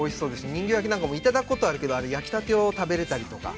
人形焼なんかも、いただくことあるけど、あれは焼きたてを食べれたりとか。